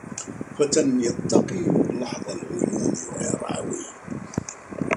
فتى يتقي لحظ العيون ويرعوي